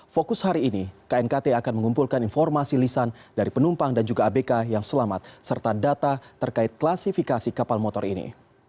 fokus hari ini knkt akan mengumpulkan informasi lisan dari penumpang dan juga abk yang selamat serta data terkait klasifikasi kapal motor ini